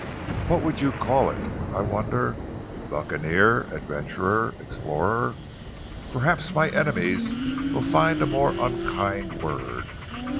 What would you call it, I wonder? Buccaneer? Adventurer? Explorer? Perhaps my enemies would find a more unkind word.